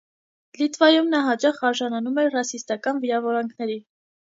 Լիտվայում նա հաճախ արժանանում էր ռասիստական վիրավորանքների։